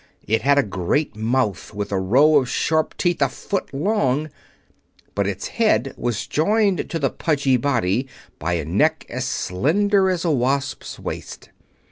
It had a great mouth, with a row of sharp teeth a foot long; but its head was joined to the pudgy body by a neck as slender as a wasp's waist.